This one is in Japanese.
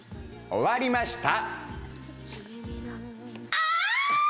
終わりました